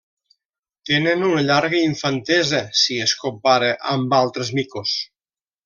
Tenen una llarga infantesa, si es compara amb altres micos.